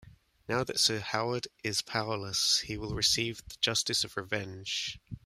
Now that Sir Howard is powerless he will receive the justice of revenge.